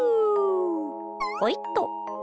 ほいっと！